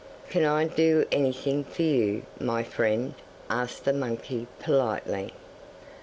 'Can I do anything for you, my friend?' asked the monkey politely.